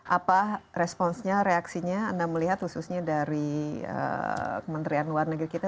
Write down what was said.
apa responsnya reaksinya anda melihat khususnya dari kementerian luar negeri kita